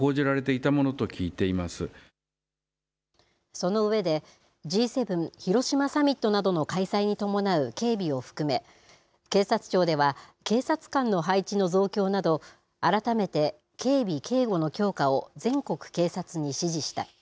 その上で、Ｇ７広島サミットなどの開催に伴う警備を含め、警察庁では、警察官の配置の増強など、改めて警備・警護の強化を全国警察に指示した。